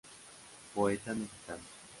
Poeta mexicano.